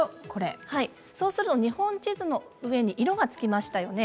そうすると日本地図の上に色がつきましたよね。